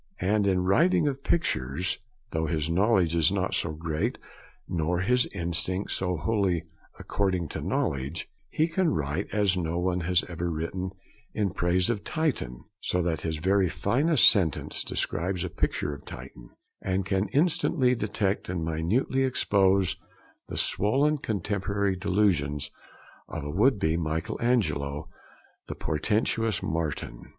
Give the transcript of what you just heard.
And in writing of pictures, though his knowledge is not so great nor his instinct so wholly 'according to knowledge,' he can write as no one has ever written in praise of Titian (so that his very finest sentence describes a picture of Titian) and can instantly detect and minutely expose the swollen contemporary delusion of a would be Michael Angelo, the portentous Martin.